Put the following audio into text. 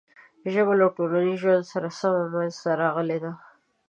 ژبه له ټولنیز ژوند سره سمه منځ ته راغلې ده.